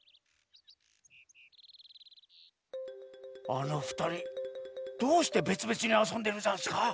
あのふたりどうしてべつべつにあそんでるざんすか？